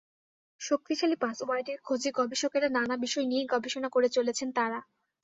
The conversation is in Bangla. শক্তিশালী পাসওয়ার্ডের খোঁজে গবেষকেরা নানা বিষয় নিয়েই গবেষণা করে চলেছেন তাঁরা।